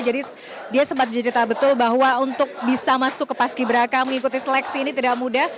jadi dia sempat bercerita betul bahwa untuk bisa masuk ke paski beraka mengikuti seleksi ini tidak mudah